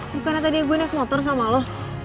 bukannya tadi gue naik motor sama lo